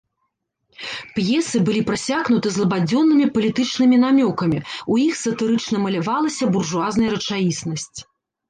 П'есы былі прасякнуты злабадзённымі палітычнымі намёкамі, у іх сатырычна малявалася буржуазная рэчаіснасць.